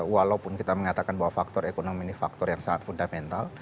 walaupun kita mengatakan bahwa faktor ekonomi ini faktor yang sangat fundamental